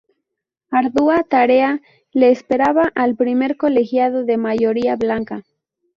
Ardua tarea le esperaba al primer colegiado de mayoría blanca.